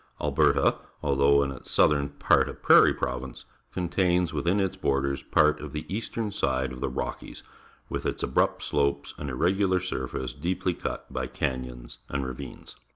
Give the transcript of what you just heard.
.\lberta, although in its southern part a prairie pro\'ince, contains within its borders part of the eastern side of the Rockies, with its abrupt slopes and irregular surface deeply cut b}'^ canyons and ra^dnes.